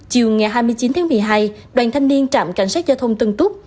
chiều ngày hai mươi chín tháng một mươi hai đoàn thanh niên trạm cảnh sát giao thông tân túc